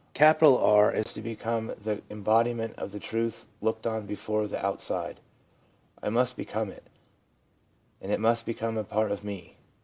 R is to become the embodiment of the truth looked on before from the outside. I must become it, and it must become a part of me.